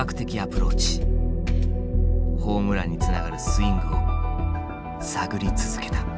ホームランにつながるスイングを探り続けた。